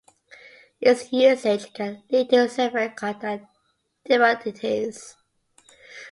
Its usage can lead to severe contact dermatitis.